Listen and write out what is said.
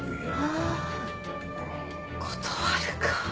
あ断るか。